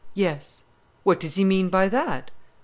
"Yes." "What does he mean by that?"